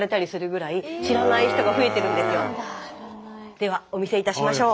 ではお見せいたしましょう。